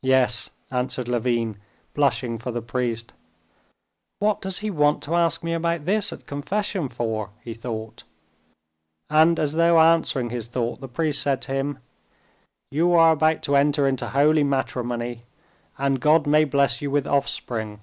"Yes," answered Levin, blushing for the priest. "What does he want to ask me about this at confession for?" he thought. And, as though answering his thought, the priest said to him: "You are about to enter into holy matrimony, and God may bless you with offspring.